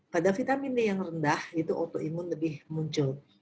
pada vitamin d yang rendah itu autoimun lebih muncul